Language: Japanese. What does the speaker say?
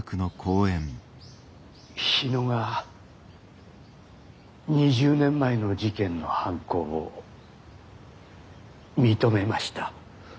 日野が２０年前の事件の犯行を認めました。